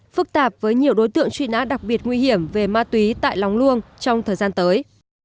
phức tạp với nhiều đối tượng truy nã đặc biệt nguy hiểm về ma túy tại lóng luông trong thời gian tới